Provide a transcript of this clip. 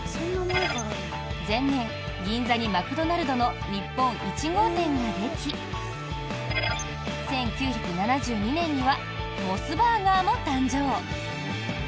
前年、銀座にマクドナルドの日本１号店ができ１９７２年にはモスバーガーも誕生。